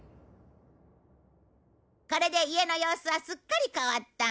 これで家の様子はすっかり変わった。